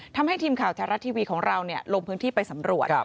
ทำให้ทีมข่าวแท้รัฐทีวีของเราลงพื้นที่ไปสำรวจ